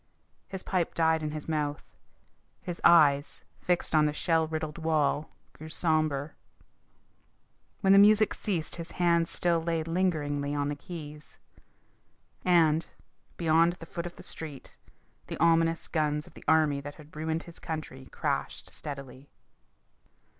His pipe died in his mouth; his eyes, fixed on the shell riddled wall, grew sombre. When the music ceased his hands still lay lingeringly on the keys. And, beyond the foot of the street, the ominous guns of the army that had ruined his country crashed steadily.